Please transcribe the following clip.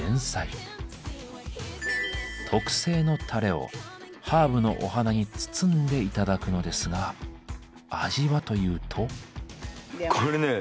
特製のタレをハーブのお花に包んで頂くのですが味はというと。